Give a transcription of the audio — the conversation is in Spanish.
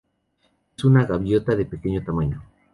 Es una gaviota de pequeño tamaño.